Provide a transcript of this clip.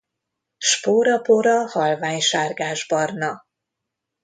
Spórapora halvány sárgásbarna.